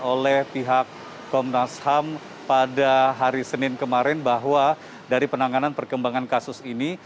oleh pihak komnas ham pada hari senin kemarin bahwa dari penanganan perkembangan kasus ini